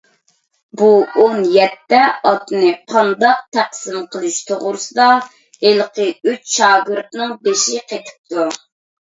بۇ ئون يەتتە ئاتنى قانداق تەقسىم قىلىش توغرىسىدا ھېلىقى ئۈچ شاگىرتنىڭ بېشى قېتىپتۇ.